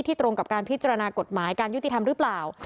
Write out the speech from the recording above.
ตรงกับการพิจารณากฎหมายการยุติธรรมหรือเปล่า